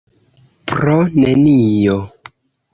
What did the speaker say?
Pro nenio.